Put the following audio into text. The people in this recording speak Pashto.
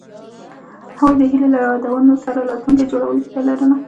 هغوی د هیلې له یادونو سره راتلونکی جوړولو هیله لرله.